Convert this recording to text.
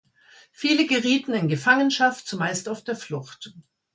Viele gerieten in Gefangenschaft, zumeist auf der Flucht.